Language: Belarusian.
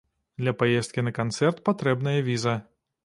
Для паездкі на канцэрт патрэбная віза.